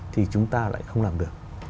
thì chúng ta lại không làm được